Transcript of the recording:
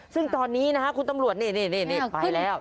ซึ่งตอนนี้นะฮะคุณตำรวจนี่ไปแล้ว